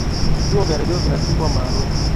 vituo vya redio vinazidi kuwa maarufu